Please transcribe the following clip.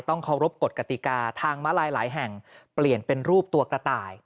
เคารพกฎกติกาทางม้าลายหลายแห่งเปลี่ยนเป็นรูปตัวกระต่าย